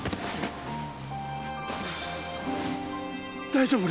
大丈夫！？